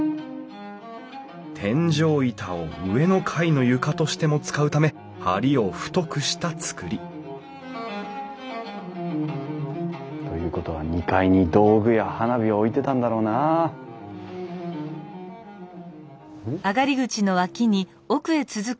天井板を上の階の床としても使うため梁を太くした造りということは２階に道具や花火を置いてたんだろうなあ。